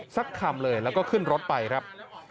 สักคำเลยแล้วก็ขึ้นรถไปครับ